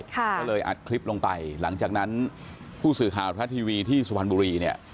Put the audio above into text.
ก็เลยอัดคลิปลงไปหลังจากนั้นผู้สื่อข่าวทรัฐทีวีที่สุพรรณบุรีเนี่ย